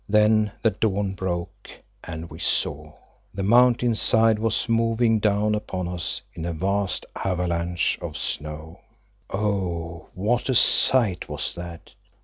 Then the dawn broke and we saw. The mountain side was moving down upon us in a vast avalanche of snow. Oh! what a sight was that.